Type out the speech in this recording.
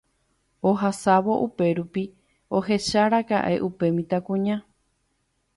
ohasávo upérupi ohecháraka'e upe mitãkuña